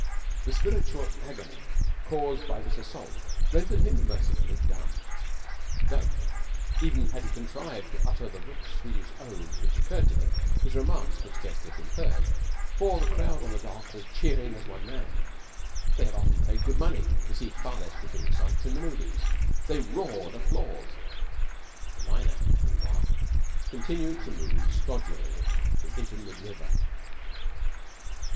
The spiritual agony caused by this assault rendered him mercifully dumb; though, even had he contrived to utter the rich Swedish oaths which occurred to him, his remarks could scarcely have been heard, for the crowd on the dock was cheering as one man. They had often paid good money to see far less gripping sights in the movies. They roared applause. The liner, meanwhile, continued to move stodgily out into mid river.